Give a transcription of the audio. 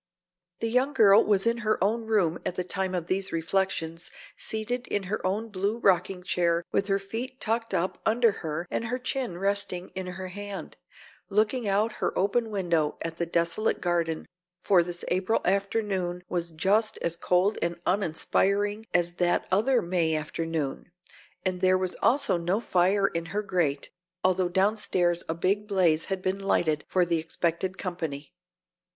The young girl was in her own room at the time of these reflections, seated in her own blue rocking chair with her feet tucked up under her and her chin resting in her hand, looking out her open window at the desolate garden, for this April afternoon was just as cold and uninspiring as that other May afternoon, and there was also no fire in her grate, although downstairs a big blaze had been lighted for the expected company.